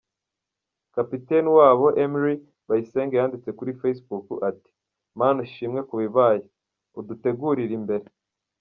Kapiteni wabo Emery bayisenge yanditse kuri facebook ati: “Mana ushimwe kubibaye! Udutegurire imbere”.